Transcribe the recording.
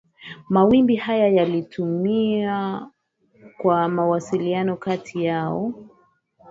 mawimbi haya yalitumika kwa mawasiliano kati yao